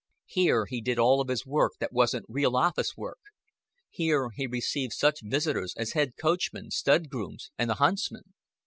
Here he did all of his work that wasn't real office work. Here he received such visitors as head coachmen, stud grooms, and the huntsmen.